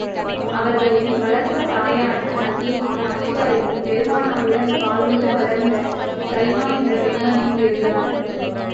அவர்களின் வளர்ப்புத் தாயான ஹலீமா நாச்சியாரிடம், பெருமானாருடன் பாலுண்டு வளர்ந்த ஷைமா என்ற பெண்மணியும் இருந்தார்.